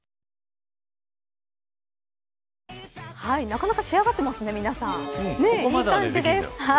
なかなか仕上がってますね皆さんいい感じです。